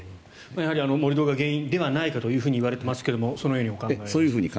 やはり盛り土が原因ではないかといわれていますがそのようにお考えですか。